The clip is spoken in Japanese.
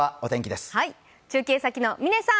中継先の嶺さん。